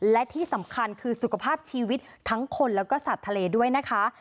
และที่สำคัญคือสุขภาพชีวิตทั้งคนแล้วก็สัตว์ทะเลด้วยนะคะ